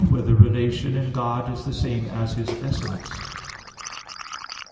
2] Whether Relation in God Is the Same As His Essence?